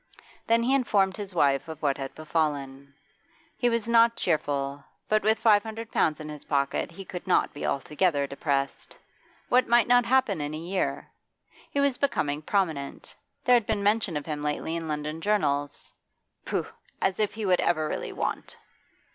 Then he informed his wife of what had befallen. He was not cheerful, but with five hundred pounds in his pocket he could not be altogether depressed. What might not happen in a year? He was becoming prominent; there had been mention of him lately in London journals. Pooh! as if he would ever really want!